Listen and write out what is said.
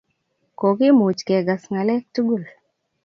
Kokimuch kegas ng'alek tugul.